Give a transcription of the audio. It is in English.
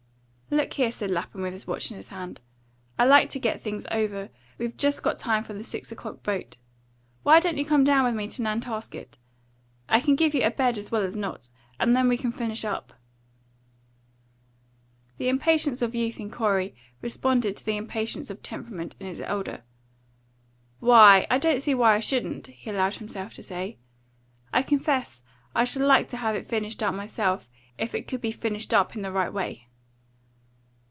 "Look here!" said Lapham, with his watch in his hand. "I like to get things over. We've just got time for the six o'clock boat. Why don't you come down with me to Nantasket? I can give you a bed as well as not. And then we can finish up." The impatience of youth in Corey responded to the impatience of temperament in his elder. "Why, I don't see why I shouldn't," he allowed himself to say. "I confess I should like to have it finished up myself, if it could be finished up in the right way."